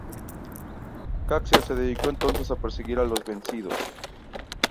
Caxias se dedicó entonces a perseguir a los vencidos.